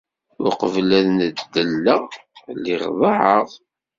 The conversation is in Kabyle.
Uqbel ad ndelleɣ, lliɣ ḍaɛeɣ.